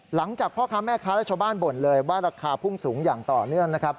หลังจากพ่อค้าแม่ค้าและชาวบ้านบ่นเลยว่าราคาพุ่งสูงอย่างต่อเนื่องนะครับ